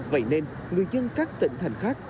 vậy nên người dân các tỉnh thành khác